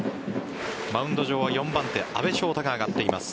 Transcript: マウンド上は４番手・阿部翔太が上がっています。